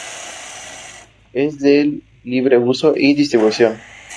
Es de libre uso y distribución.